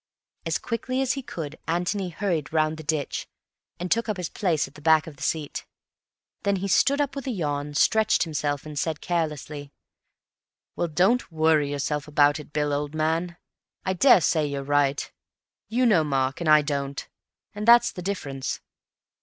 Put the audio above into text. As quickly as he could Antony hurried round the ditch and took up his place at the back of the seat. Then he stood up with a yawn, stretched himself and said carelessly, "Well, don't worry yourself about it, Bill, old man. I daresay you're right. You know Mark, and I don't; and that's the difference.